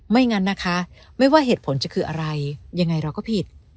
งั้นนะคะไม่ว่าเหตุผลจะคืออะไรยังไงเราก็ผิด